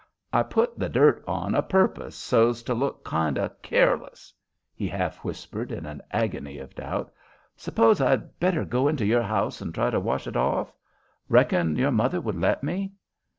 "I put the dirt on o' purpose so's to look kind of careless," he half whispered, in an agony of doubt. "S'pose I'd better go into your house and try to wash it off? Reckon your mother would let me?"